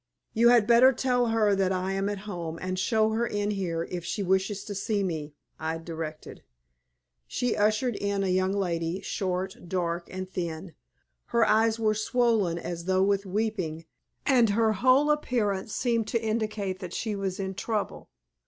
"You had better tell her that I am at home, and show her in here if she wishes to see me," I directed. She ushered in a young lady, short, dark, and thin. Her eyes were swollen as though with weeping, and her whole appearance seemed to indicate that she was in trouble.